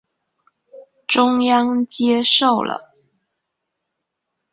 中央接受了。